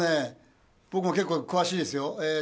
結構詳しいですよ。